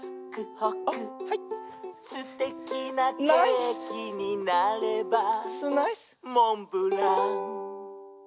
「すてきなケーキになればモンブラン！」